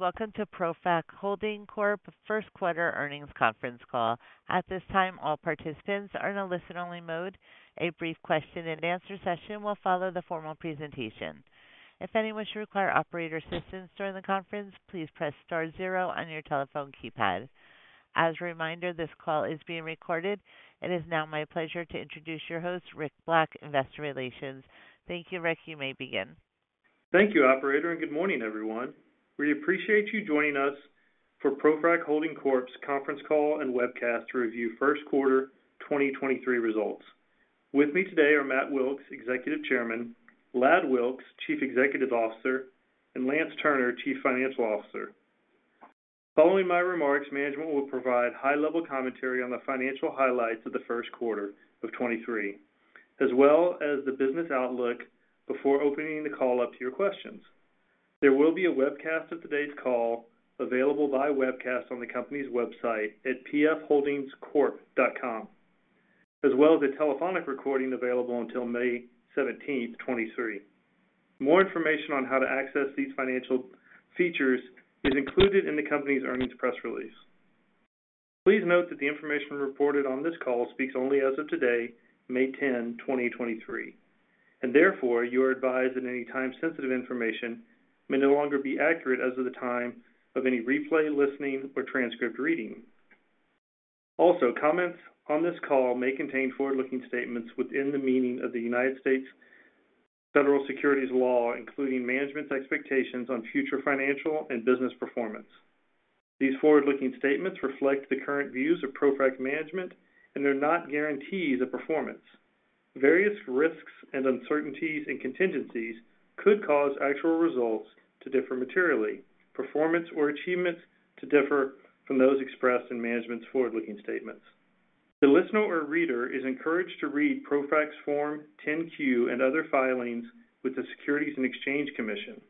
Welcome to ProFrac Holding Corp First Quarter Earnings Conference Call. At this time, all participants are in a listen-only mode. A brief question and answer session will follow the formal presentation. If anyone should require operator assistance during the conference, please press star zero on your telephone keypad. As a reminder, this call is being recorded. It is now my pleasure to introduce your host, Rick Black, Investor Relations. Thank you, Rick. You may begin. Thank you, operator. Good morning, everyone. We appreciate you joining us for ProFrac Holding Corp.'s conference call and webcast to review first quarter 2023 results. With me today are Matt Wilks, Executive Chairman, Ladd Wilks, Chief Executive Officer, and Lance Turner, Chief Financial Officer. Following my remarks, management will provide high-level commentary on the financial highlights of the first quarter of 2023, as well as the business outlook before opening the call up to your questions. There will be a webcast of today's call available via webcast on the company's website at pfholdingscorp.com, as well as a telephonic recording available until May 17th, 2023. More information on how to access these financial features is included in the company's earnings press release. Please note that the information reported on this call speaks only as of today, May 10th, 2023. Therefore, you are advised that any time sensitive information may no longer be accurate as of the time of any replay, listening, or transcript reading. Comments on this call may contain forward-looking statements within the meaning of the United States federal securities law, including management's expectations on future financial and business performance. These forward-looking statements reflect the current views of ProFrac management. They're not guarantees of performance. Various risks and uncertainties and contingencies could cause actual results to differ materially, performance or achievements to differ from those expressed in management's forward-looking statements. The listener or reader is encouraged to read ProFrac's Form 10-Q and other filings with the Securities and Exchange Commission,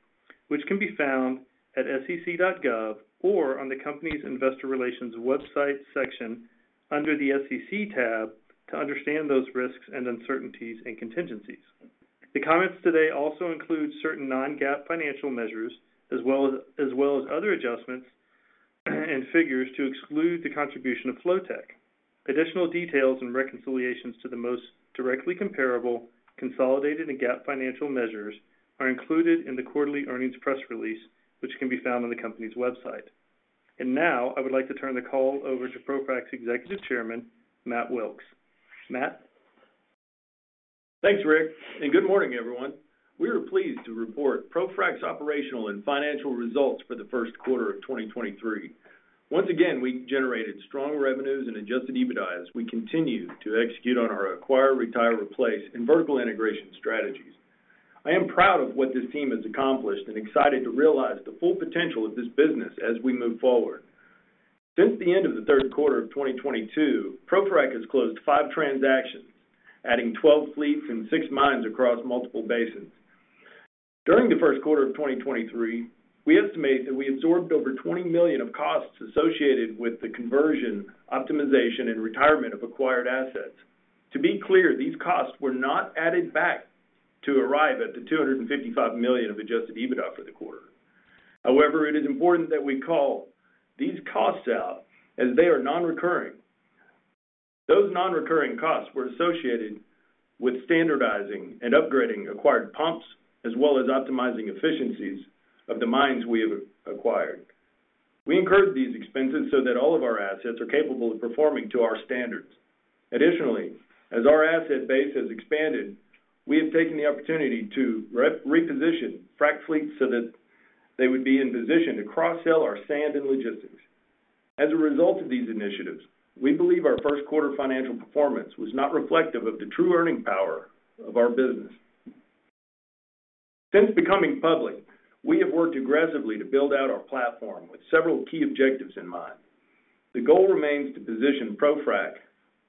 which can be found at sec.gov or on the company's investor relations website section under the SEC tab to understand those risks and uncertainties and contingencies. The comments today also include certain non-GAAP financial measures as well as other adjustments and figures to exclude the contribution of Flotek. Additional details and reconciliations to the most directly comparable consolidated and GAAP financial measures are included in the quarterly earnings press release, which can be found on the company's website. Now I would like to turn the call over to ProFrac's Executive Chairman, Matt Wilks. Matt? Thanks, Rick, and good morning, everyone. We are pleased to report ProFrac's operational and financial results for the first quarter of 2023. Once again, we generated strong revenues and adjusted EBITDA as we continue to execute on our acquire, retire, replace, and vertical integration strategies. I am proud of what this team has accomplished and excited to realize the full potential of this business as we move forward. Since the end of the third quarter of 2022, ProFrac has closed five transactions, adding 12 fleets and six mines across multiple basins. During the first quarter of 2023, we estimate that we absorbed over $20 million of costs associated with the conversion, optimization, and retirement of acquired assets. To be clear, these costs were not added back to arrive at the $255 million of adjusted EBITDA for the quarter. It is important that we call these costs out as they are non-recurring. Those non-recurring costs were associated with standardizing and upgrading acquired pumps, as well as optimizing efficiencies of the mines we have acquired. We incurred these expenses so that all of our assets are capable of performing to our standards. As our asset base has expanded, we have taken the opportunity to reposition frac fleets so that they would be in position to cross-sell our sand and logistics. A result of these initiatives, we believe our first quarter financial performance was not reflective of the true earning power of our business. Becoming public, we have worked aggressively to build out our platform with several key objectives in mind. The goal remains to position ProFrac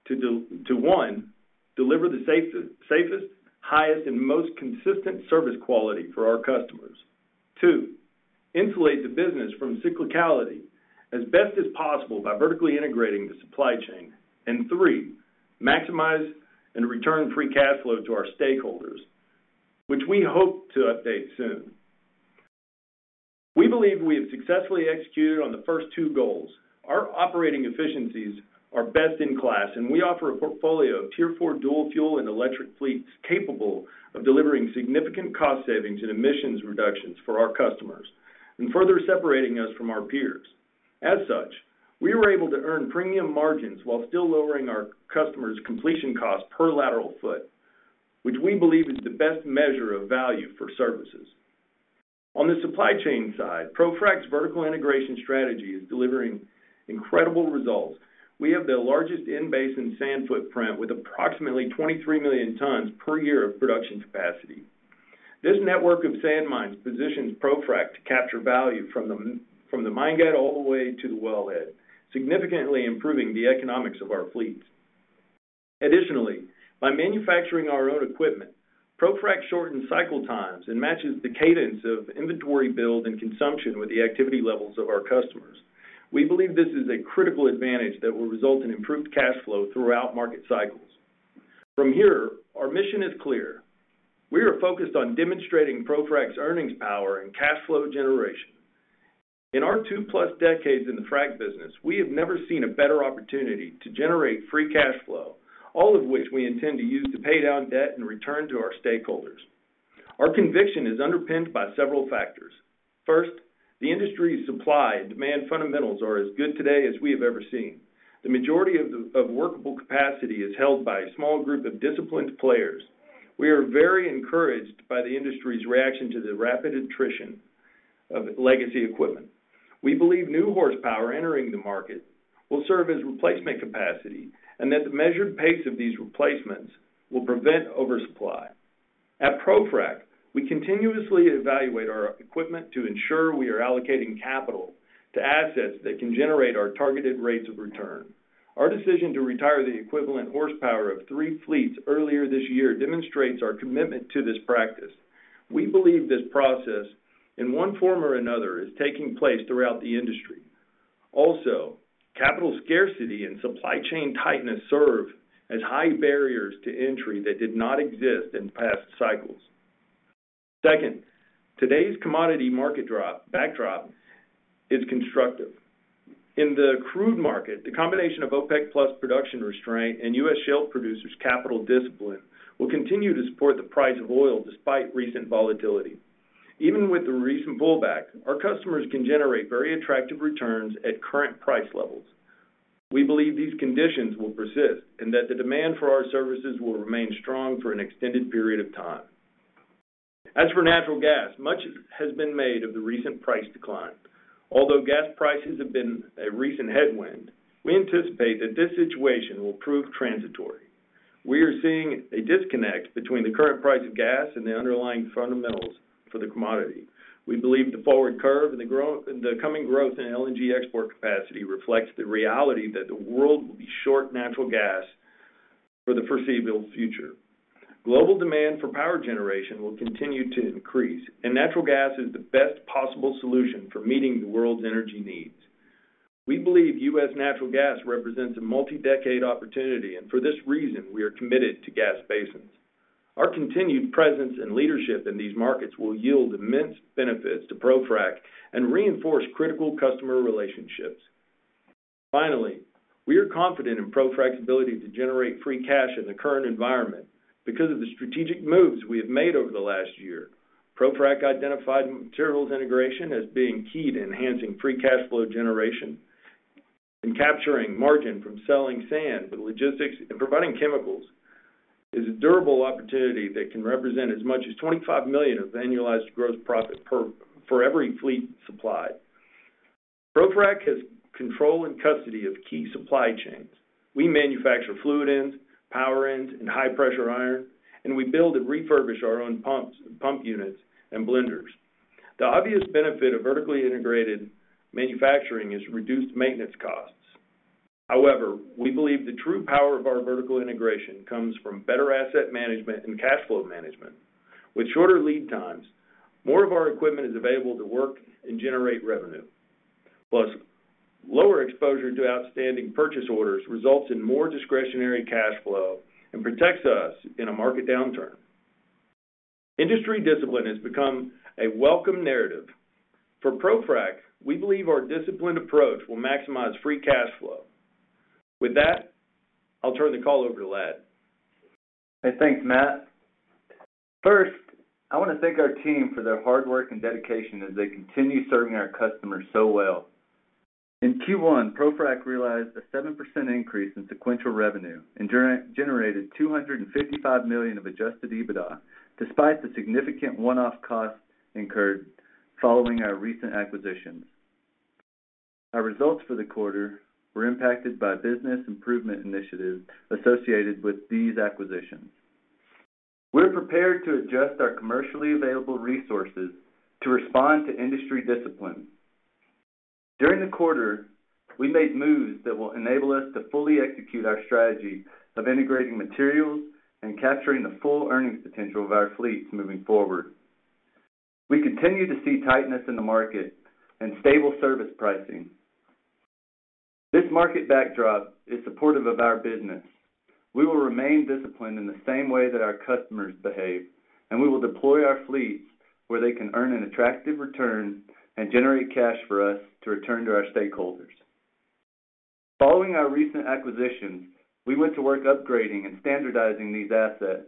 to one, deliver the safest, highest and most consistent service quality for our customers. Two, insulate the business from cyclicality as best as possible by vertically integrating the supply chain. Three, maximize and return free cash flow to our stakeholders, which we hope to update soon. We believe we have successfully executed on the first two goals. Our operating efficiencies are best in class, and we offer a portfolio of Tier 4 dual fuel and electric fleets capable of delivering significant cost savings and emissions reductions for our customers and further separating us from our peers. As such, we were able to earn premium margins while still lowering our customers' completion cost per lateral foot, which we believe is the best measure of value for services. On the supply chain side, ProFrac's vertical integration strategy is delivering incredible results. We have the largest in-basin sand footprint with approximately 23 million tons per year of production capacity. This network of sand mines positions ProFrac to capture value from the mine gate all the way to the wellhead, significantly improving the economics of our fleets. By manufacturing our own equipment, ProFrac shortens cycle times and matches the cadence of inventory build and consumption with the activity levels of our customers. We believe this is a critical advantage that will result in improved cash flow throughout market cycles. Our mission is clear. We are focused on demonstrating ProFrac's earnings power and cash flow generation. In our 2+ decades in the frac business, we have never seen a better opportunity to generate free cash flow, all of which we intend to use to pay down debt and return to our stakeholders. Our conviction is underpinned by several factors. The industry's supply and demand fundamentals are as good today as we have ever seen. The majority of workable capacity is held by a small group of disciplined players. We are very encouraged by the industry's reaction to the rapid attrition of legacy equipment. We believe new horsepower entering the market will serve as replacement capacity, and that the measured pace of these replacements will prevent oversupply. At ProFrac, we continuously evaluate our equipment to ensure we are allocating capital to assets that can generate our targeted rates of return. Our decision to retire the equivalent horsepower of three fleets earlier this year demonstrates our commitment to this practice. We believe this process, in one form or another, is taking place throughout the industry. Capital scarcity and supply chain tightness serve as high barriers to entry that did not exist in past cycles. Today's commodity market backdrop is constructive. In the crude market, the combination of OPEC+ production restraint and U.S. shale producers' capital discipline will continue to support the price of oil despite recent volatility. Even with the recent pullback, our customers can generate very attractive returns at current price levels. We believe these conditions will persist, and that the demand for our services will remain strong for an extended period of time. As for natural gas, much has been made of the recent price decline. Although gas prices have been a recent headwind, we anticipate that this situation will prove transitory. We are seeing a disconnect between the current price of gas and the underlying fundamentals for the commodity. We believe the forward curve and the coming growth in LNG export capacity reflects the reality that the world will be short natural gas for the foreseeable future. Global demand for power generation will continue to increase. Natural gas is the best possible solution for meeting the world's energy needs. We believe U.S. natural gas represents a multi-decade opportunity. For this reason, we are committed to gas basins. Our continued presence and leadership in these markets will yield immense benefits to ProFrac. Reinforce critical customer relationships. We are confident in ProFrac's ability to generate free cash in the current environment because of the strategic moves we have made over the last year. ProFrac identified materials integration as being key to enhancing free cash flow generation and capturing margin from selling sand to logistics and providing chemicals is a durable opportunity that can represent as much as $25 million of annualized gross profit for every fleet supplied. ProFrac has control and custody of key supply chains. We manufacture fluid ends, power ends, and high-pressure iron, and we build and refurbish our own pumps, pump units, and blenders. The obvious benefit of vertically integrated manufacturing is reduced maintenance costs. However, we believe the true power of our vertical integration comes from better asset management and cash flow management. With shorter lead times, more of our equipment is available to work and generate revenue. Plus, lower exposure to outstanding purchase orders results in more discretionary cash flow and protects us in a market downturn. Industry discipline has become a welcome narrative. For ProFrac, we believe our disciplined approach will maximize free cash flow. With that, I'll turn the call over to Ladd. Thanks, Matt. First, I wanna thank our team for their hard work and dedication as they continue serving our customers so well. In Q1, ProFrac realized a 7% increase in sequential revenue and generated $255 million of adjusted EBITDA despite the significant one-off costs incurred following our recent acquisitions. Our results for the quarter were impacted by business improvement initiatives associated with these acquisitions. We're prepared to adjust our commercially available resources to respond to industry discipline. During the quarter, we made moves that will enable us to fully execute our strategy of integrating materials and capturing the full earnings potential of our fleets moving forward. We continue to see tightness in the market and stable service pricing. This market backdrop is supportive of our business. We will remain disciplined in the same way that our customers behave, and we will deploy our fleets where they can earn an attractive return and generate cash for us to return to our stakeholders. Following our recent acquisitions, we went to work upgrading and standardizing these assets.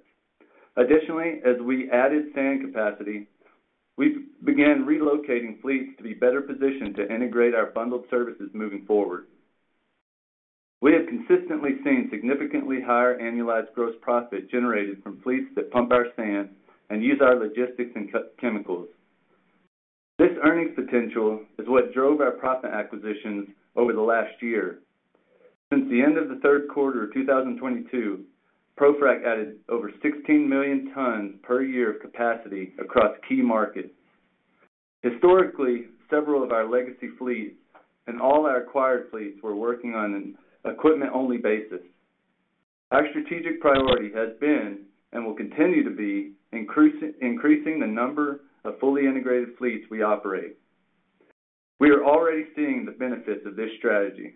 Additionally, as we added sand capacity, we've began relocating fleets to be better positioned to integrate our bundled services moving forward. We have consistently seen significantly higher annualized gross profit generated from fleets that pump our sand and use our logistics and chemicals. This earnings potential is what drove our profit acquisitions over the last year. Since the end of the third quarter of 2022, ProFrac added over 16 million tons per year of capacity across key markets. Historically, several of our legacy fleets and all our acquired fleets were working on an equipment-only basis. Our strategic priority has been, and will continue to be, increasing the number of fully integrated fleets we operate. We are already seeing the benefits of this strategy.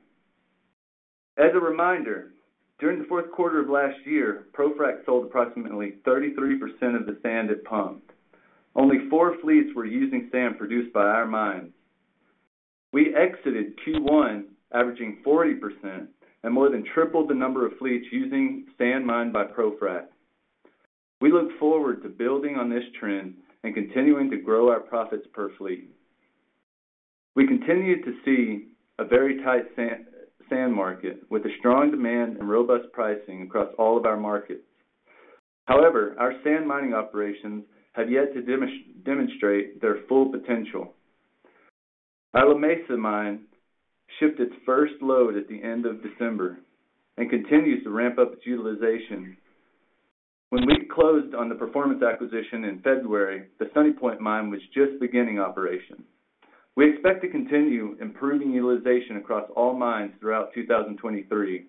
As a reminder, during the fourth quarter of last year, ProFrac sold approximately 33% of the sand it pumped. Only four fleets were using sand produced by our mines. We exited Q1 averaging 40% and more than tripled the number of fleets using sand mined by ProFrac. We look forward to building on this trend and continuing to grow our profits per fleet. We continued to see a very tight sand market with a strong demand and robust pricing across all of our markets. However, our sand mining operations have yet to demonstrate their full potential. Our Lamesa mine shipped its first load at the end of December and continues to ramp up its utilization. When we closed on the Performance acquisition in February, the Sunny Point mine was just beginning operation. We expect to continue improving utilization across all mines throughout 2023.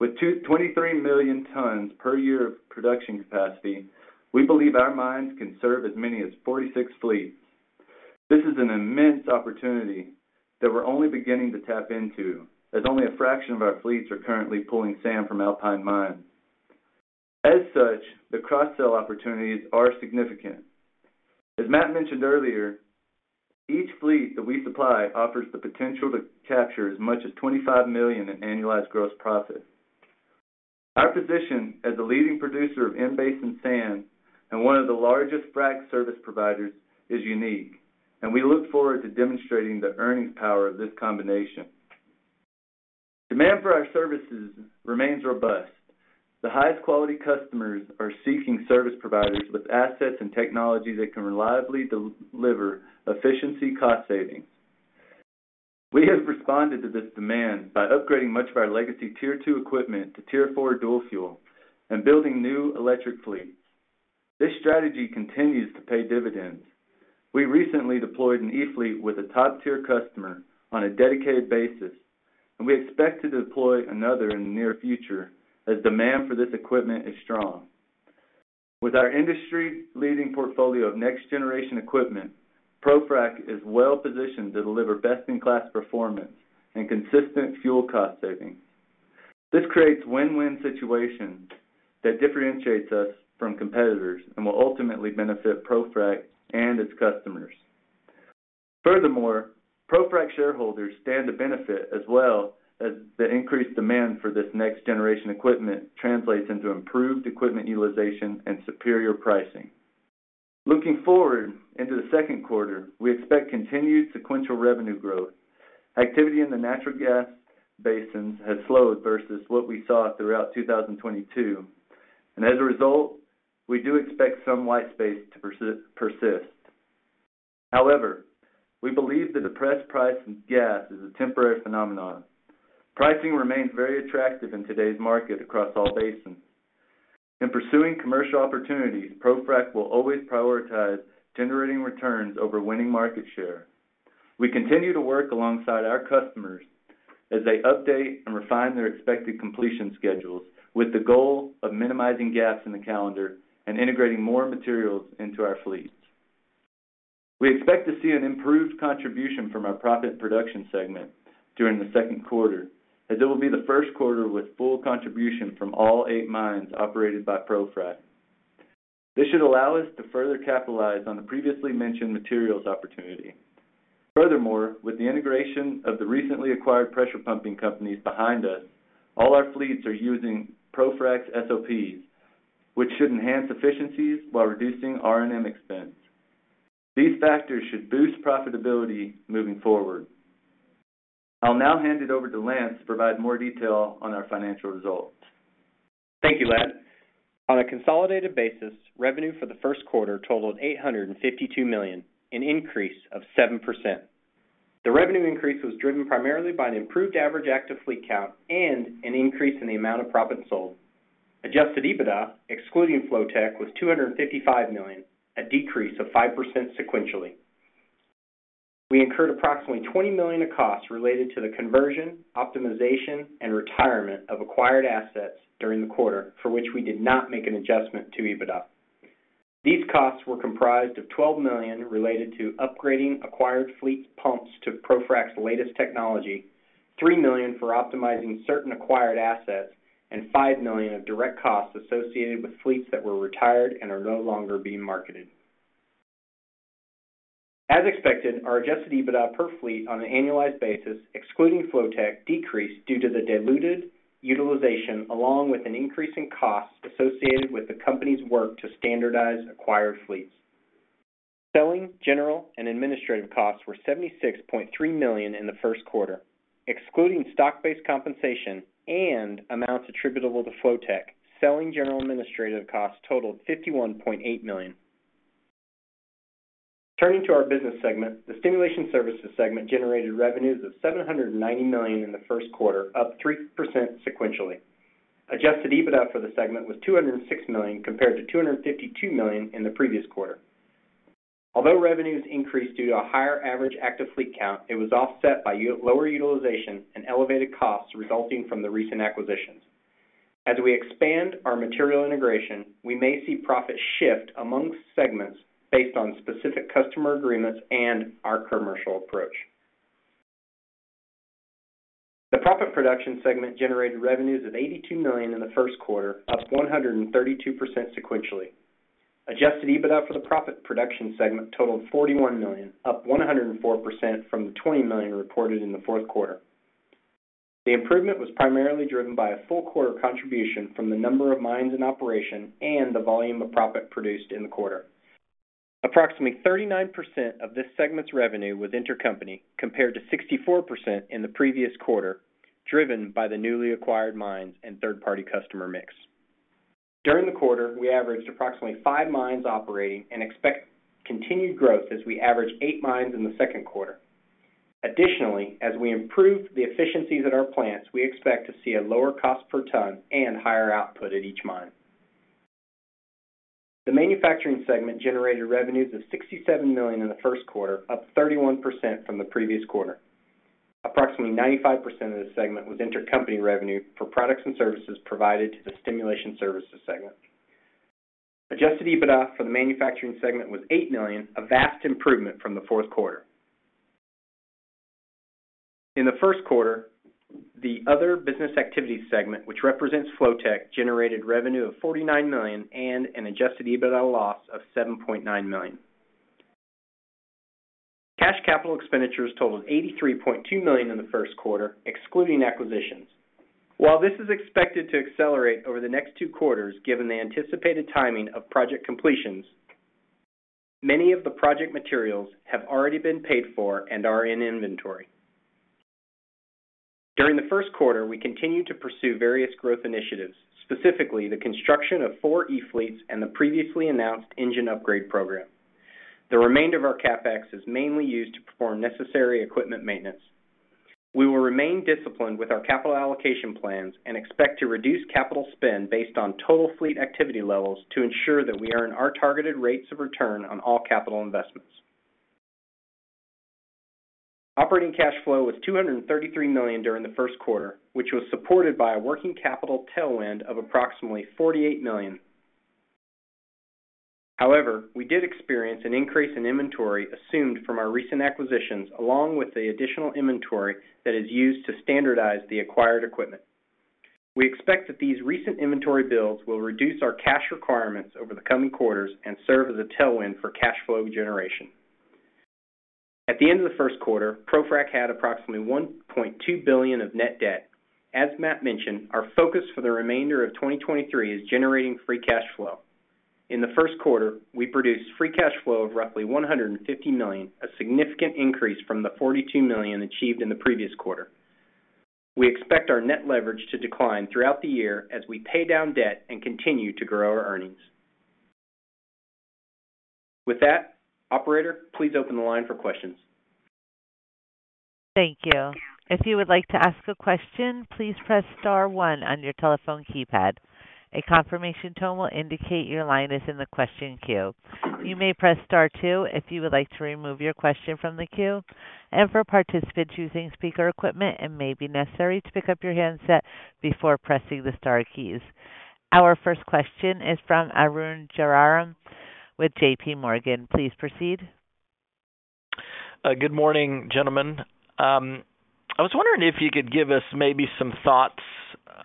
With 23 million tons per year of production capacity, we believe our mines can serve as many as 46 fleets. This is an immense opportunity that we're only beginning to tap into, as only a fraction of our fleets are currently pulling sand from Alpine mine. As such, the cross-sell opportunities are significant. As Matt mentioned earlier, each fleet that we supply offers the potential to capture as much as $25 million in annualized gross profit. Our position as the leading producer of in-basin sand and one of the largest frac service providers is unique, and we look forward to demonstrating the earnings power of this combination. Demand for our services remains robust. The highest quality customers are seeking service providers with assets and technology that can reliably de-deliver efficiency cost savings. We have responded to this demand by upgrading much of our legacy Tier 2 equipment to Tier 4 dual fuel and building new e-fleets. This strategy continues to pay dividends. We recently deployed an e-fleet with a top-tier customer on a dedicated basis, and we expect to deploy another in the near future as demand for this equipment is strong. With our industry-leading portfolio of next generation equipment, ProFrac is well positioned to deliver best-in-class performance and consistent fuel cost savings. This creates win-win situation that differentiates us from competitors and will ultimately benefit ProFrac and its customers. Furthermore, ProFrac shareholders stand to benefit as well as the increased demand for this next generation equipment translates into improved equipment utilization and superior pricing. Looking forward into the second quarter, we expect continued sequential revenue growth. Activity in the natural gas basins has slowed versus what we saw throughout 2022. As a result, we do expect some white space to persist. However, we believe the depressed price in gas is a temporary phenomenon. Pricing remains very attractive in today's market across all basins. In pursuing commercial opportunities, ProFrac will always prioritize generating returns over winning market share. We continue to work alongside our customers as they update and refine their expected completion schedules with the goal of minimizing gaps in the calendar and integrating more materials into our fleets. We expect to see an improved contribution from our Proppant Production segment during the second quarter, as it will be the first quarter with full contribution from all eight mines operated by ProFrac. This should allow us to further capitalize on the previously mentioned materials opportunity. With the integration of the recently acquired pressure pumping companies behind us, all our fleets are using ProFrac's SOPs, which should enhance efficiencies while reducing R&M expense. These factors should boost profitability moving forward. I'll now hand it over to Lance to provide more detail on our financial results. Thank you, Ladd. On a consolidated basis, revenue for the first quarter totaled $852 million, an increase of 7%. The revenue increase was driven primarily by an improved average active fleet count and an increase in the amount of proppant sold. Adjusted EBITDA, excluding Flotek, was $255 million, a decrease of 5% sequentially. We incurred approximately $20 million of costs related to the conversion, optimization, and retirement of acquired assets during the quarter, for which we did not make an adjustment to EBITDA. These costs were comprised of $12 million related to upgrading acquired fleet pumps to ProFrac's latest technology, $3 million for optimizing certain acquired assets, and $5 million of direct costs associated with fleets that were retired and are no longer being marketed. As expected, our adjusted EBITDA per fleet on an annualized basis, excluding Flotek, decreased due to the diluted utilization along with an increase in costs associated with the company's work to standardize acquired fleets. Selling, general, and administrative costs were $76.3 million in the first quarter. Excluding stock-based compensation and amounts attributable to Flotek, selling, general, and administrative costs totaled $51.8 million. Turning to our business segment, the Stimulation Services segment generated revenues of $790 million in the first quarter, up 3% sequentially. Adjusted EBITDA for the segment was $206 million, compared to $252 million in the previous quarter. Although revenues increased due to a higher average active fleet count, it was offset by lower utilization and elevated costs resulting from the recent acquisitions. As we expand our material integration, we may see profit shift amongst segments based on specific customer agreements and our commercial approach. The Proppant Production segment generated revenues of $82 million in the first quarter, up 132% sequentially. Adjusted EBITDA for the Proppant Production segment totaled $41 million, up 104% from the $20 million reported in the fourth quarter. The improvement was primarily driven by a full quarter contribution from the number of mines in operation and the volume of proppant produced in the quarter. Approximately 39% of this segment's revenue was intercompany compared to 64% in the previous quarter, driven by the newly acquired mines and third-party customer mix. During the quarter, we averaged approximately five mines operating and expect continued growth as we average eight mines in the second quarter. Additionally, as we improve the efficiencies at our plants, we expect to see a lower cost per ton and higher output at each mine. The Manufacturing segment generated revenues of $67 million in the first quarter, up 31% from the previous quarter. Approximately 95% of this segment was intercompany revenue for products and services provided to the Stimulation Services segment. Adjusted EBITDA for the Manufacturing segment was $8 million, a vast improvement from the fourth quarter. In the first quarter, the Other Business Activities segment, which represents Flotek, generated revenue of $49 million and an adjusted EBITDA loss of $7.9 million. Cash capital expenditures totaled $83.2 million in the first quarter, excluding acquisitions. While this is expected to accelerate over the next two quarters, given the anticipated timing of project completions, many of the project materials have already been paid for and are in inventory. During the first quarter, we continued to pursue various growth initiatives, specifically the construction of four e-fleets and the previously announced engine upgrade program. The remainder of our CapEx is mainly used to perform necessary equipment maintenance. We will remain disciplined with our capital allocation plans and expect to reduce capital spend based on total fleet activity levels to ensure that we earn our targeted rates of return on all capital investments. Operating cash flow was $233 million during the first quarter, which was supported by a working capital tailwind of approximately $48 million. We did experience an increase in inventory assumed from our recent acquisitions, along with the additional inventory that is used to standardize the acquired equipment. We expect that these recent inventory builds will reduce our cash requirements over the coming quarters and serve as a tailwind for cash flow generation. At the end of the first quarter, ProFrac had approximately $1.2 billion of net debt. As Matt mentioned, our focus for the remainder of 2023 is generating free cash flow. In the first quarter, we produced free cash flow of roughly $150 million, a significant increase from the $42 million achieved in the previous quarter. We expect our net leverage to decline throughout the year as we pay down debt and continue to grow our earnings. Operator, please open the line for questions. Thank you. If you would like to ask a question, please press star one on your telephone keypad. A confirmation tone will indicate your line is in the question queue. You may press star two if you would like to remove your question from the queue. For participants using speaker equipment, it may be necessary to pick up your handset before pressing the star keys. Our first question is from Arun Jayaram with J.P. Morgan. Please proceed. Good morning, gentlemen. I was wondering if you could give us maybe some thoughts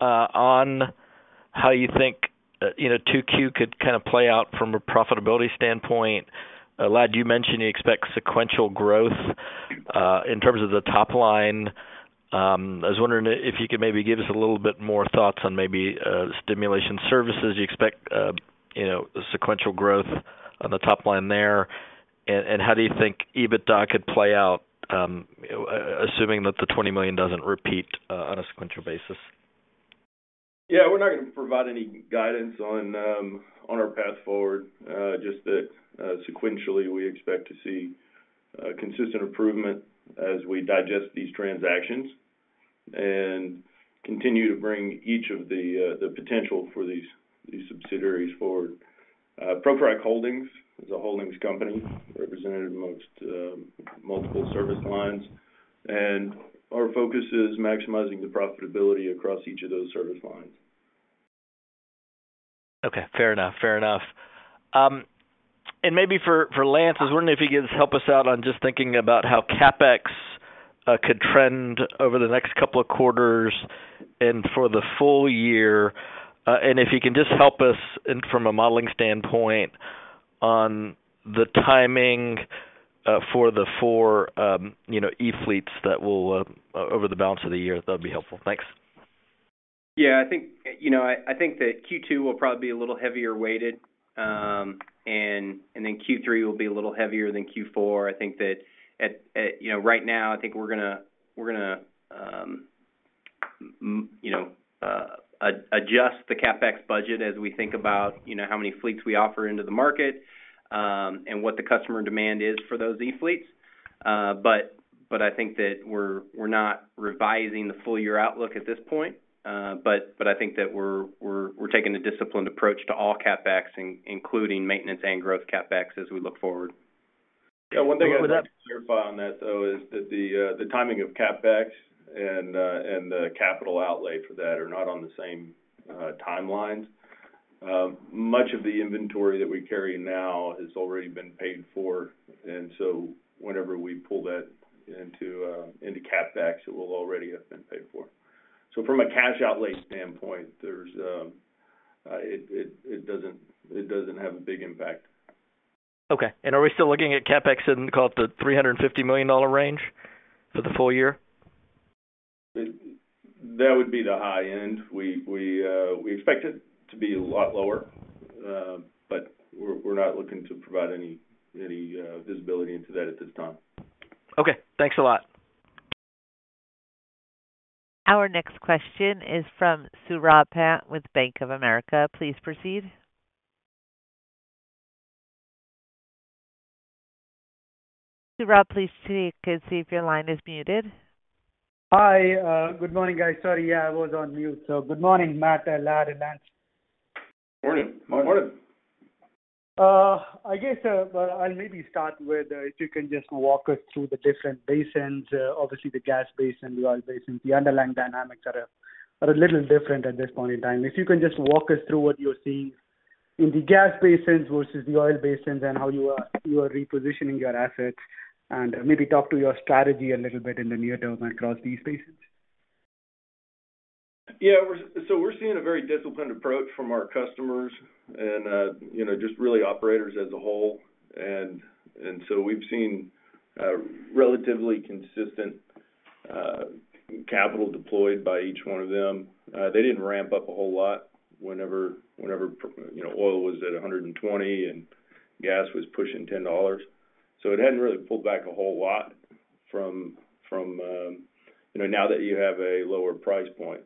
on how you think, you know, 2Q could kind of play out from a profitability standpoint. Ladd, you mentioned you expect sequential growth in terms of the top line. I was wondering if you could maybe give us a little bit more thoughts on maybe Stimulation Services. You expect, you know, sequential growth on the top line there. How do you think EBITDA could play out, assuming that the $20 million doesn't repeat on a sequential basis? Yeah, we're not gonna provide any guidance on on our path forward, just that sequentially, we expect to see consistent improvement as we digest these transactions and continue to bring each of the the potential for these subsidiaries forward. ProFrac Holdings is a holdings company representative of most multiple service lines, and our focus is maximizing the profitability across each of those service lines. Okay. Fair enough. Fair enough. Maybe for Lance, I was wondering if you can just help us out on just thinking about how CapEx could trend over the next couple of quarters and for the full year. If you can just help us in from a modeling standpoint on the timing for the four, you know, e-fleets that will over the balance of the year, that'd be helpful. Thanks. Yeah. I think, you know, I think that Q2 will probably be a little heavier weighted. Then Q3 will be a little heavier than Q4. I think that at, you know, right now, I think we're gonna adjust the CapEx budget as we think about, you know, how many fleets we offer into the market, and what the customer demand is for those e-fleets. I think that we're not revising the full year outlook at this point. I think that we're taking a disciplined approach to all CapEx including maintenance and growth CapEx as we look forward. Yeah, one thing I'd like to clarify on that, though, is that the timing of CapEx and the capital outlay for that are not on the same timelines. Much of the inventory that we carry now has already been paid for. Whenever we pull that into CapEx, it will already have been paid for. From a cash outlay standpoint, it doesn't have a big impact. Okay. Are we still looking at CapEx sitting about the $350 million range for the full-year? That would be the high end. We expect it to be a lot lower, but we're not looking to provide any visibility into that at this time. Okay. Thanks a lot. Our next question is from Saurabh Pant with Bank of America. Please proceed. Saurabh Pant, please see if your line is muted. Hi. Good morning, guys. Sorry. Yeah, I was on mute. Good morning, Matt, Ladd, and Lance. Morning. Morning. I guess, well, I'll maybe start with, if you can just walk us through the different basins, obviously the gas basin, the oil basins. The underlying dynamics are a little different at this point in time. If you can just walk us through what you're seeing in the gas basins versus the oil basins and how you are repositioning your assets, and maybe talk to your strategy a little bit in the near term across these basins? Yeah. We're seeing a very disciplined approach from our customers and, you know, just really operators as a whole. We've seen a relatively consistent capital deployed by each one of them. They didn't ramp up a whole lot whenever, you know, oil was at $120 and gas was pushing $10. It hadn't really pulled back a whole lot from, You know, now that you have a lower price point.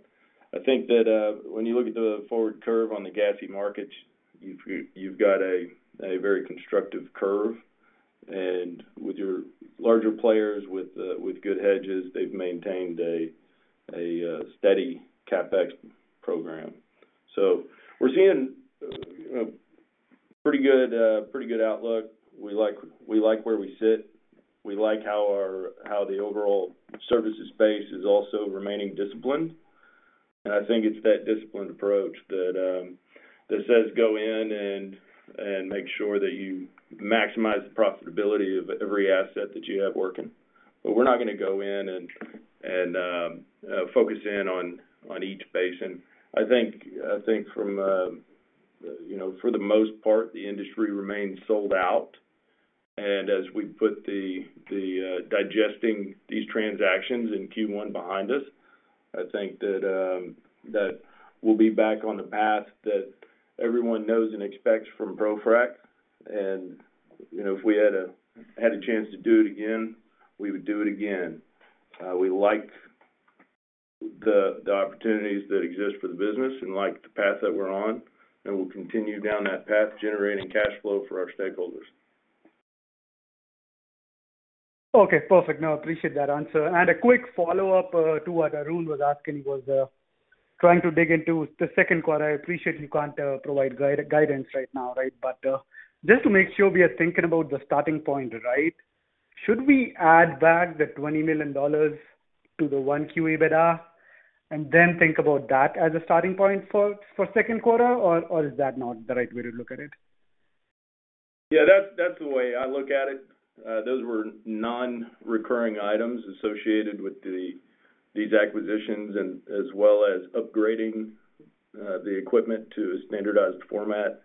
When you look at the forward curve on the gassy markets, you've got a very constructive curve. With your larger players with good hedges, they've maintained a steady CapEx program. We're seeing, you know, pretty good, pretty good outlook. We like, we like where we sit. We like how the overall services space is also remaining disciplined. I think it's that disciplined approach that says go in and make sure that you maximize the profitability of every asset that you have working. We're not gonna go in and focus in on each basin. I think from, you know, for the most part, the industry remains sold out. As we put the digesting these transactions in Q1 behind us, I think that we'll be back on the path that everyone knows and expects from ProFrac. You know, if we had a chance to do it again, we would do it again. We like the opportunities that exist for the business and like the path that we're on, and we'll continue down that path, generating cash flow for our stakeholders. Okay, perfect. No, appreciate that answer. A quick follow-up to what Arun was asking, was trying to dig into the second quarter. I appreciate you can't provide guidance right now, right? Just to make sure we are thinking about the starting point, right? Should we add back the $20 million to the 1Q EBITDA and then think about that as a starting point for second quarter, or is that not the right way to look at it? Yeah, that's the way I look at it. Those were non-recurring items associated with these acquisitions and as well as upgrading the equipment to a standardized format.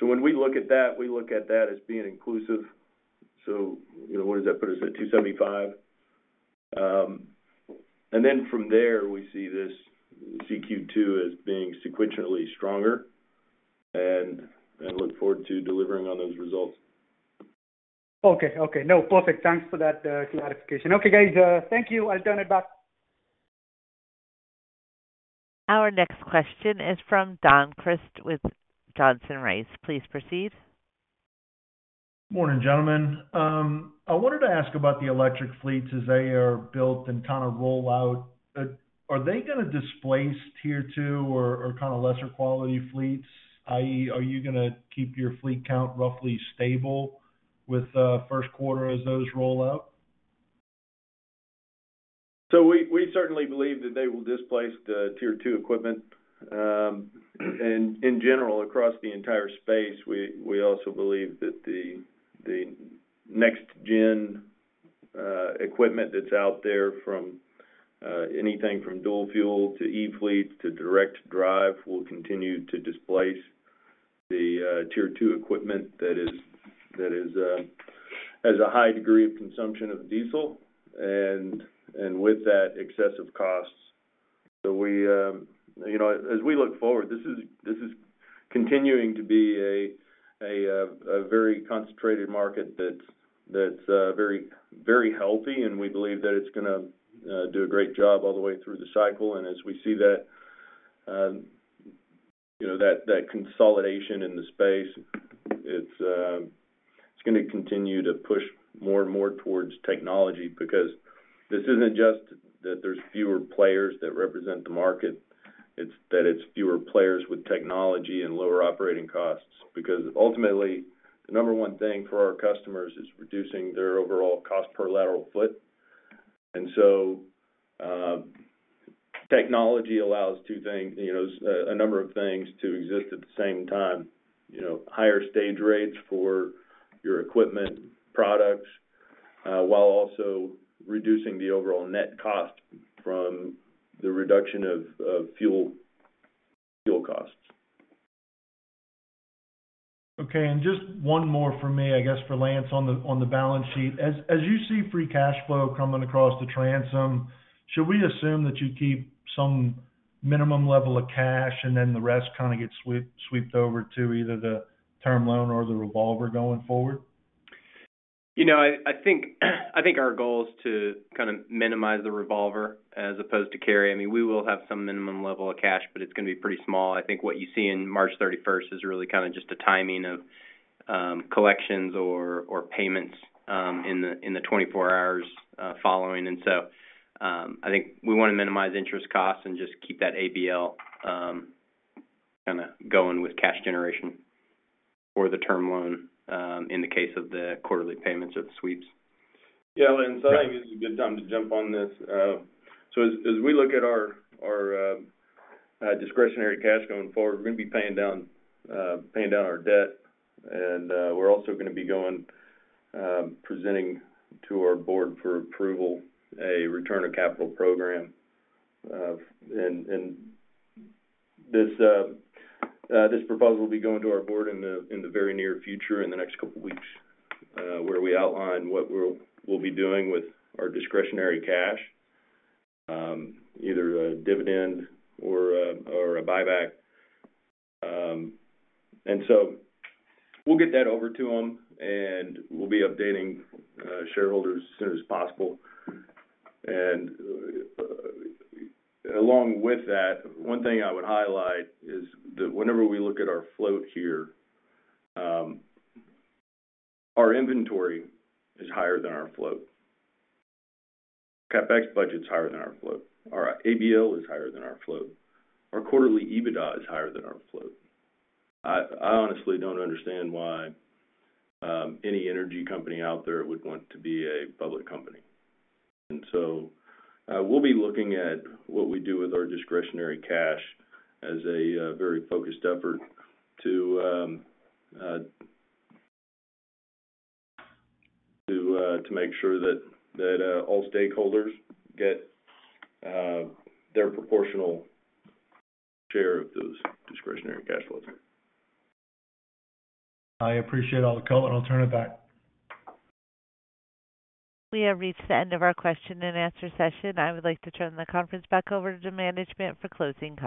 When we look at that, we look at that as being inclusive. You know, where does that put us at? $275. From there, we see this CQ2 as being sequentially stronger and look forward to delivering on those results. Okay. No, perfect. Thanks for that clarification. Okay, guys, thank you. I'll turn it back. Our next question is from Don Crist with Johnson Rice. Please proceed. Morning, gentlemen. I wanted to ask about the electric fleets as they are built and kind of roll out. Are they gonna displace Tier 2 or kind of lesser quality fleets? i.e., are you gonna keep your fleet count roughly stable with first quarter as those roll out? We certainly believe that they will displace the Tier 2 equipment. In general, across the entire space, we also believe that the next gen equipment that's out there from anything from dual fuel to e-fleets to direct drive will continue to displace the Tier 2 equipment that is has a high degree of consumption of diesel and with that, excessive costs. You know, as we look forward, this is continuing to be a very concentrated market that's very, very healthy, and we believe that it's gonna do a great job all the way through the cycle. As we see that, you know, that consolidation in the space, it's gonna continue to push more and more towards technology because this isn't just that there's fewer players that represent the market. It's that it's fewer players with technology and lower operating costs because ultimately, the number one thing for our customers is reducing their overall cost per lateral foot. Technology allows two things, you know, a number of things to exist at the same time. You know, higher stage rates for your equipment products, while also reducing the overall net cost from the reduction of fuel costs. Okay. Just one more from me, I guess, for Lance on the balance sheet. As you see free cash flow coming across the transom, should we assume that you keep some minimum level of cash and then the rest kinda gets swept over to either the term loan or the revolver going forward? You know, I think our goal is to kind of minimize the revolver as opposed to carry. I mean, we will have some minimum level of cash, but it's gonna be pretty small. I think what you see in March thirty-first is really kinda just a timing of collections or payments in the 24 hours following. I think we wanna minimize interest costs and just keep that ABL kinda going with cash generation or the term loan in the case of the quarterly payments or the sweeps. Yeah, Lance, I think it's a good time to jump on this. As we look at our discretionary cash going forward, we're gonna be paying down our debt. We're also gonna be going presenting to our Board for approval a return of capital program. This proposal will be going to our Board in the very near future, in the next couple weeks, where we outline what we'll be doing with our discretionary cash, either a dividend or a buyback. We'll get that over to them, we'll be updating shareholders as soon as possible. Along with that, one thing I would highlight is that whenever we look at our float here, our inventory is higher than our float. CapEx budget's higher than our float. Our ABL is higher than our float. Our quarterly EBITDA is higher than our float. I honestly don't understand why any energy company out there would want to be a public company. We'll be looking at what we do with our discretionary cash as a very focused effort to make sure that all stakeholders get their proportional share of those discretionary cash flows. I appreciate all the color, and I'll turn it back. We have reached the end of our question and answer session. I would like to turn the conference back over to management for closing comments.